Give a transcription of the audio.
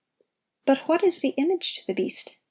But what is the "image to the beast"?